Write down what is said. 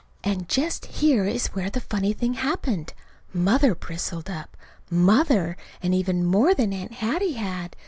And just here is where the funny thing happened. Mother bristled up Mother and even more than Aunt Hattie had.